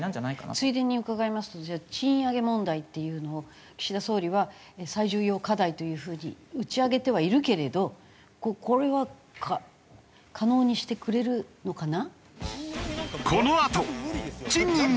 ついでに伺いますとじゃあ賃上げ問題っていうのを岸田総理は最重要課題という風に打ち上げてはいるけれどこれは可能にしてくれるのかな？